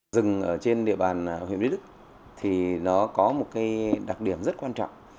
rừng trên địa bàn huyện mỹ đức thì nó có một đặc điểm rất quan trọng